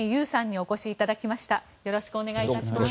よろしくお願いします。